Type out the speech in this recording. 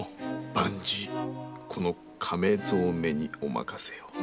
万事この亀蔵めにおまかせを。